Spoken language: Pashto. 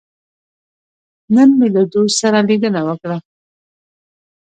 نن مې له دوست سره لیدنه وکړه.